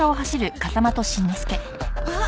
あっ！